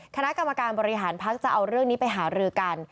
คณะกรรมการบริหารพักจะเอาเรื่องนี้ไปหารือกัน